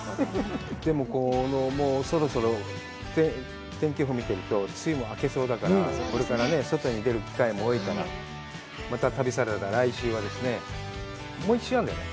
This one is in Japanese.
もうそろそろ天気予報を見ていると梅雨も明けそうだから、これからね、外に出る機会も多いから、また旅サラダ、来週はですね、もう１週あるんだよね。